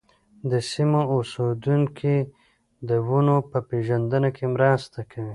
د سیمو اوسېدونکي د ونو په پېژندنه کې مرسته کوي.